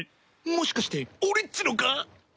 もしかして俺っちのか？